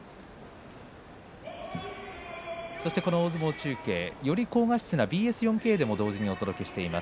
この大相撲中継より高画質なＢＳ４Ｋでも同時に放送しています。